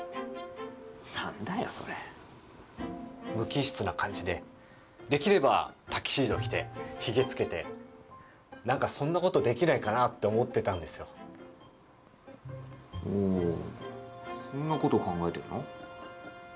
何だよそれ無機質な感じでできればタキシード着てヒゲつけて何かそんなことできないかなって思ってたんですよおそんなこと考えてるの？